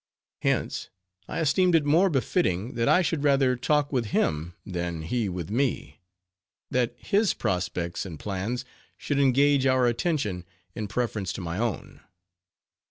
Hence, I esteemed it more befitting, that I should rather talk with him, than he with me: that his prospects and plans should engage our attention, in preference to my own.